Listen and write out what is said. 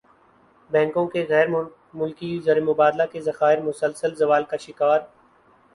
بینکوں کے غیرملکی زرمبادلہ کے ذخائر مسلسل زوال کا شکار